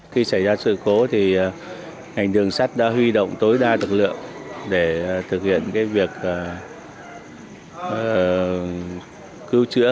khi xảy ra sự cố thì ngành đường sắt đã huy động tối đa lực lượng để thực hiện việc cứu chữa